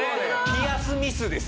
ピアスミスです